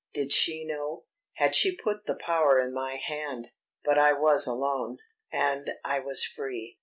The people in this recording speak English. Did she know; had she put the power in my hand? But I was alone, and I was free.